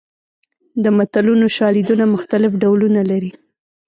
د متلونو شالیدونه مختلف ډولونه لري